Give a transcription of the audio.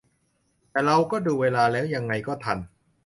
แต่เราก็ดูเวลาแล้วยังไงก็ทัน